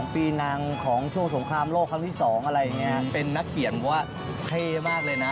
เป็นนักเขียนเพราะว่าเฮ่มากเลยนะ